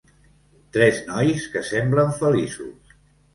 tres nois que semblen feliços